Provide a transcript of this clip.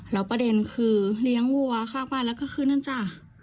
แล้วประเด็นคือเลี้ยงวัวข้างบ้านแล้วก็คือนั่นจ้ะ